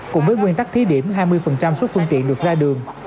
cùng với nguyên tắc thí điểm hai mươi số phương tiện được ra đường